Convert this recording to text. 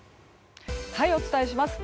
お伝えします。